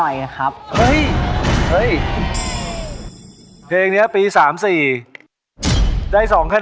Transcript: จ้าวรอคอย